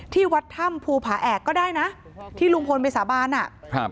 ที่วัดถ้ำภูผาแอกก็ได้นะที่ลุงพลไปสาบานอ่ะครับ